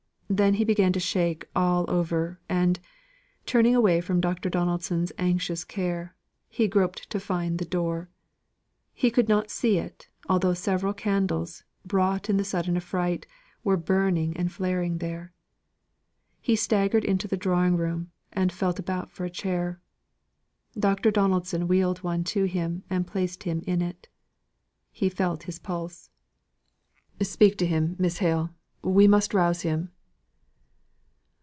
Then he began to shake all over, and, turning away from Dr. Donaldson's anxious care, he groped to find the door; he could not see it, although several candles, brought in the sudden affright, were burning and flaring there. He staggered into the drawing room, and felt about for a chair. Dr. Donaldson wheeled one to him, and placed him in it. He felt his pulse. "Speak to him, Miss Hale. We must rouse him."